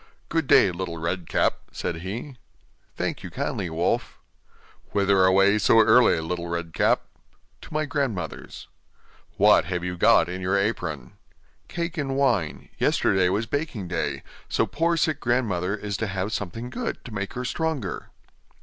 'Good day, Little Red Cap,' said he. 'Thank you kindly, wolf.' 'Whither away so early, Little Red Cap?' 'To my grandmother's.' 'What have you got in your apron?' 'Cake and wine; yesterday was baking day, so poor sick grandmother is to have something good, to make her stronger.